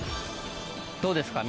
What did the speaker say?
どうですか？